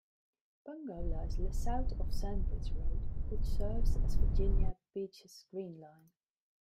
Pungo lies south of Sandbridge road, which serves as Virginia Beach's Green Line.